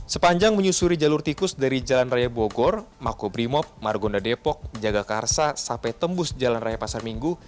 sepanjang menyusuri jalur tikus dari jalan raya bogor makobrimob margonda depok jagakarsa sampai tembus jalan raya pasar minggu